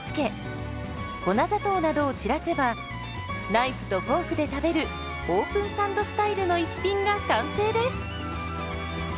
ナイフとフォークで食べるオープンサンドスタイルの一品が完成です。